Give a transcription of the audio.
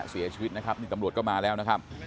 เสียชีวิตนะครับนี่ตำรวจก็มาแล้วนะครับ